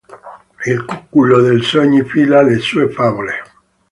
Il Cuculo dei sogni fila le sue favole".